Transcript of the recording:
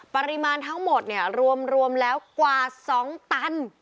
ปริมาณทั้งหมดเนี่ยรวมแล้วกว่า๒ตัน